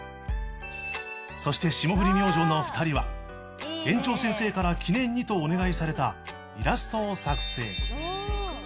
そして霜降り明星の２人は園長先生から記念にとお願いされたイラストを作成